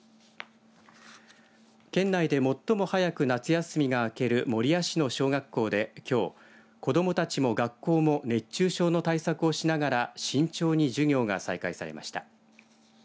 県内で最も早く夏休みが明ける守谷市の小学校できょう、子どもたちも学校も熱中症の対策をしながら慎重に授業が再開されました。